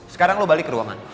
sekarang lo balik ke ruangan